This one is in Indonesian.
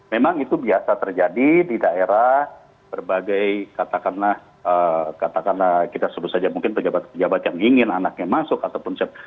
memang itu biasa terjadi di daerah berbagai katakanlah katakanlah kita sebut saja mungkin pejabat pejabat yang ingin anaknya masuk ataupun siapa